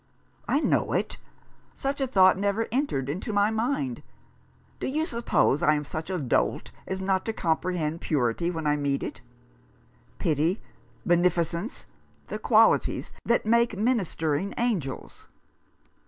" I know it. Such a thought never entered into my mind. Do you suppose I am such a dolt as not to comprehend purity when I meet it ? Pity, 30 A Fellow feeling. beneficence, the qualities that make ministering angels